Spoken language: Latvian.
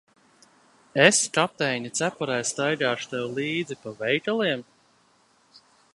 Es kapteiņa cepurē staigāšu tev līdzi pa veikaliem?